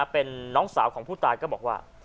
เป็นน้องสาวของผู้ตายก็บอกว่า